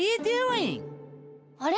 あれ？